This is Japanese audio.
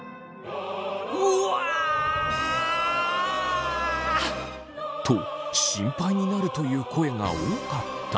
うわ！と心配になるという声が多かった。